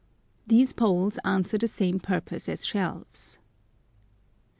These poles answer the same purpose as shelves.